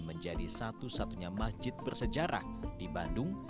menjadi satu satunya masjid bersejarah di bandung